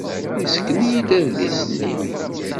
Yessken-iyi-d adlis-nni.